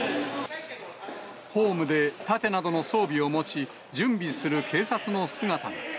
ホームで盾などの装備を持ち、準備する警察の姿が。